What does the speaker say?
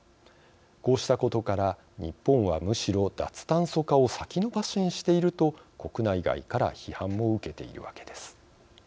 こうしたことから日本はむしろ脱炭素化を先延ばしにしていると国内外から批判も受けているわけです。